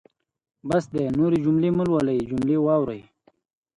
بس دی نورې جملې مهلولئ جملې واورئ.